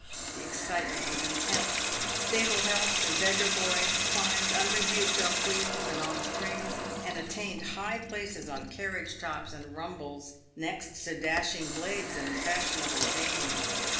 The excitement was intense. Stable helps and beggar boys climbed unrebuked up wheels and on springs, and attained high places on carriage tops and rumbles next to dashing blades and fashionable dames.